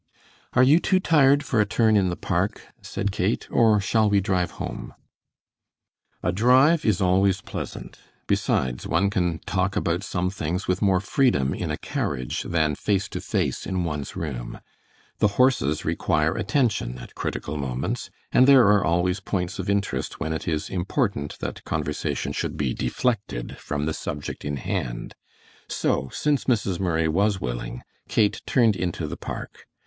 "Are you too tired for a turn in the park," said Kate, "or shall we drive home?" A drive is always pleasant. Besides, one can talk about some things with more freedom in a carriage than face to face in one's room. The horses require attention at critical moments, and there are always points of interest when it is important that conversation should be deflected from the subject in hand, so since Mrs. Murray was willing, Kate turned into the park.